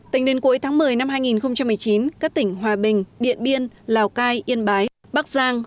tỉnh đền cội tháng một mươi năm hai nghìn một mươi chín các tỉnh hòa bình điện biên lào cai yên bái bắc giang